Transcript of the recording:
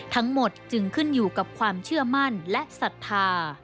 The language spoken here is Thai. ทั้งหมดจึงขึ้นอยู่กับความเชื่อมั่นและศรัทธา